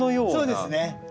そうですね